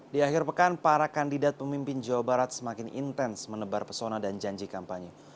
di akhir pekan para kandidat pemimpin jawa barat semakin intens menebar pesona dan janji kampanye